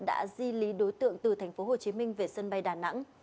đã di lý đối tượng từ thành phố hồ chí minh về sân bay đà nẵng